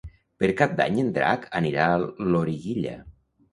Per Cap d'Any en Drac anirà a Loriguilla.